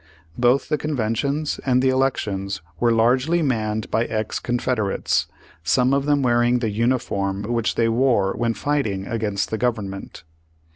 Both the conventions and the elections were largely manned by ex Confederates, some of them wear ing the uniform which they wore when fighting against the Government.